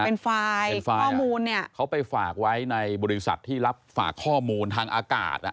เป็นไฟล์เป็นฝ่ายข้อมูลเนี่ยเขาไปฝากไว้ในบริษัทที่รับฝากข้อมูลทางอากาศอ่ะ